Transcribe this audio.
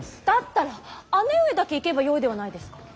だったら姉上だけ行けばよいではないですか。